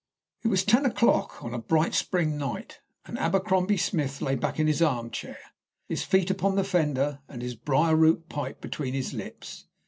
It was ten o'clock on a bright spring night, and Abercrombie Smith lay back in his arm chair, his feet upon the fender, and his briar root pipe between his lips.